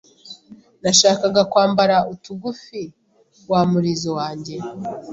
nashakaga kwambara utugufi wa murizo wanjye